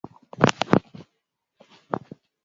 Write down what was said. Watu wachukue tahadhari wanapomsaidia mnyama kuzaa